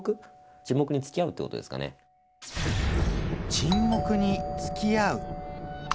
沈黙につきあう。